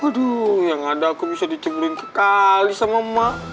aduh yang ada aku bisa diceburin kekali sama emak